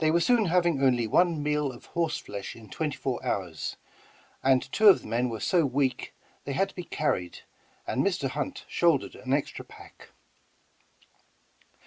They were soon having only one meal of horse flesh in twenty four hours, and two of the men were so weak they had to be carried, and Mr. Hunt shouldered an extra pack.